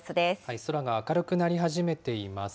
空が明るくなり始めています。